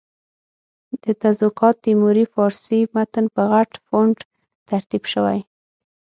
د تزوکات تیموري فارسي متن په غټ فونټ ترتیب شوی.